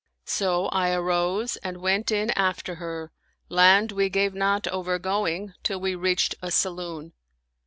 So I arose and went in after her and we gave not over going till we reached a saloon.